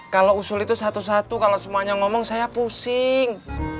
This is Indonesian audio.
kalau usul itu satu satu kalau semuanya ngomong saya pusing